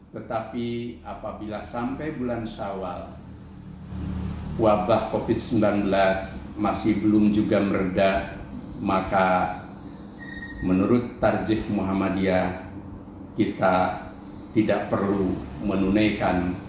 tetapi apabila sampai bulan syawal wabah covid sembilan belas masih belum juga meredah maka menurut target muhammadiyah kita tidak perlu menunaikan